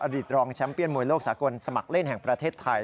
ตรองแชมป์เี้ยนมวยโลกสากลสมัครเล่นแห่งประเทศไทย